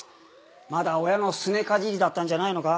まだ親のすねかじりだったんじゃないのか？